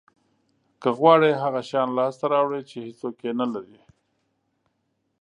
که غواړی هغه شیان لاسته راوړی چې هیڅوک یې نه لري